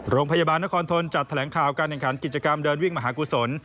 โรงพยาบาลนครทนจัดแถลงข่าวการแข่งขันกิจกรรมเดินวิ่งมหากุศล